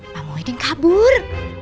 pak muhyiddin kabur